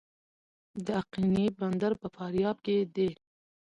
د اقینې بندر په فاریاب کې دی